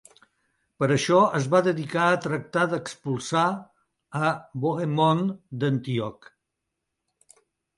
Per això, es va dedicar a tractar d'expulsar a Bohemond d'Antioch.